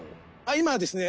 今ですね。